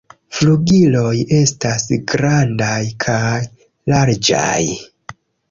Flugiloj estas grandaj kaj larĝaj.